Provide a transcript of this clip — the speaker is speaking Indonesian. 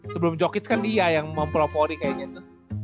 sebelum jokits kan dia yang mempropori kayaknya tuh